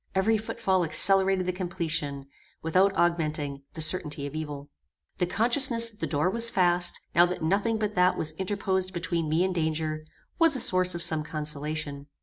Every footfall accelerated the completion, without augmenting, the certainty of evil. The consciousness that the door was fast, now that nothing but that was interposed between me and danger, was a source of some consolation.